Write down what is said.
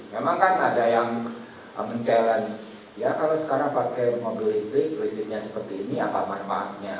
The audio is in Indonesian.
memang kan ada yang mencabar ya kalau sekarang pakai mobil listrik listriknya seperti ini apa manfaatnya